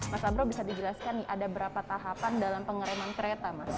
mas abro bisa dijelaskan nih ada berapa tahapan dalam pengereman kereta mas